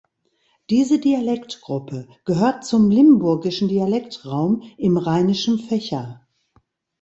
Diese Dialektgruppe gehört zum limburgischen Dialektraum im rheinischen Fächer.